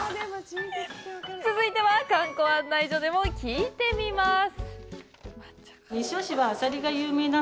続いては、観光案内所でも聞いてみます。